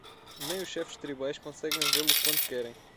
Nem os chefes tribais conseguem vê-lo quando querem.